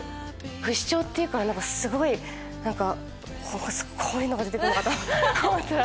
不死鳥っていうからこういうのが出てくるのかと思ったら。